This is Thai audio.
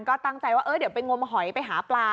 ก็ตั้งใจว่าเดี๋ยวไปงมหอยไปหาปลา